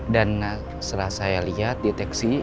dan setelah saya lihat deteksi